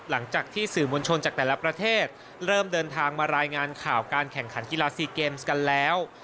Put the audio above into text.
หลังจากที่สื่อมวลชนจากแต่ละประเทศเริ่มเดินทางมารายงานข่าวการแข่งขันกีฬาซีเกมส์กันแล้ว